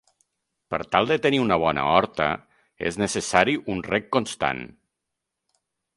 Per tal de tenir una bona horta, és necessari un reg constant.